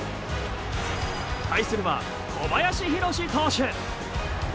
対するは小林宏投手。